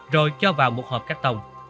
rồi cho vào một hộp carton